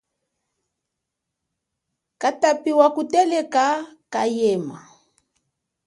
Katapi wa kuteleka kayema.